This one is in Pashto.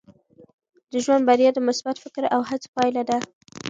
د ژوند بریا د مثبت فکر او هڅو پایله ده.